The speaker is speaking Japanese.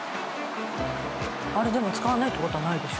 あれでも使わないって事はないでしょ？